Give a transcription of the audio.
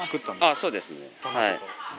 そうです。